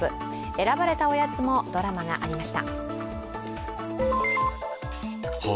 選ばれたおやつもドラマがありました。